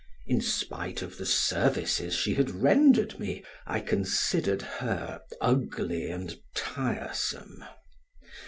In spite of the services she had rendered me, I considered her ugly and tiresome.